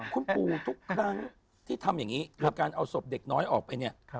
คุณปู่ทุกครั้งที่ทำอย่างนี้โดยการเอาศพเด็กน้อยออกไปเนี่ย